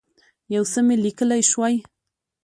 یو څه مي لیکلای شوای.